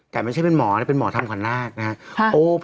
แต่ไม่ใช่เป็นหมอนะเป็นหมอทำขวัญนาคนะครับ